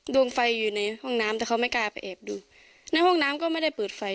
ดวงไฟอยู่ในห้องน้ำแต่เขาไม่กล้าไปแอบดูในห้องน้ำก็ไม่ได้เปิดไฟ